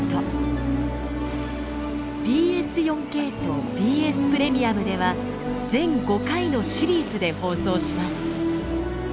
ＢＳ４ＫとＢＳプレミアムでは全５回のシリーズで放送します。